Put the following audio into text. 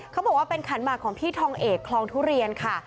เขาบอกว่าเป็นขันหมากของพี่ทองเอกคลองทุเรียนค่ะ